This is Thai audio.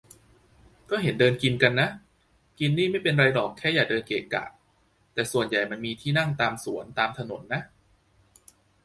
ก็เห็นเดินกินกันนะ กินนี่ไม่เป็นไรหรอกแค่อย่าเดินเกะกะ แต่ส่วนใหญ่มันมีที่นั่งตามสวน ตามถนนนะ